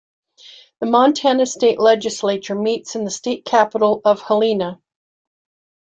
The Montana State Legislature meets in the state capital of Helena.